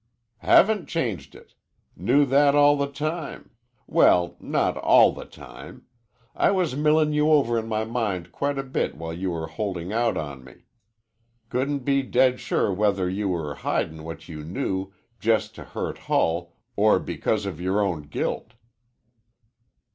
"Haven't changed it. Knew that all the time well, not all the time. I was millin' you over in my mind quite a bit while you were holdin' out on me. Couldn't be dead sure whether you were hidin' what you knew just to hurt Hull or because of your own guilt."